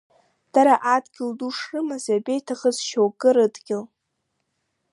Дара адгьыл ду шрымаз, иабеиҭахыз шьоукы рыдгьыл.